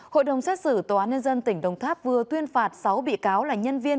hội đồng xét xử tòa án nhân dân tỉnh đồng tháp vừa tuyên phạt sáu bị cáo là nhân viên